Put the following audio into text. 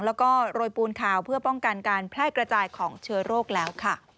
แล้วก็โรยปูนขาวเพื่อป้องกันการแพร่กระจายของเชื้อโรคแล้วค่ะ